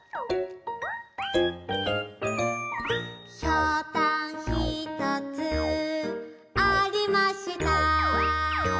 「ひょうたんひとつありました」